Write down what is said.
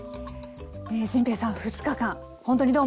心平さん２日間ほんとにどうも。